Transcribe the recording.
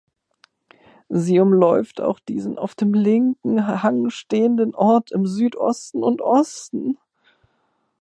Sie umläuft auch diesen auf dem linken Hang stehenden Ort im Südosten und Osten.